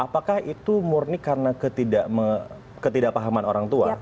apakah itu murni karena ketidakpahaman orang tua